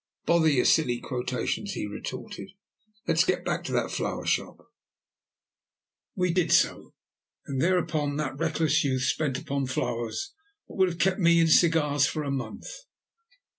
"Bother your silly quotations!" he retorted. "Let's get back to that flower shop." We did so, and thereupon that reckless youth spent upon flowers what would have kept me in cigars for a month.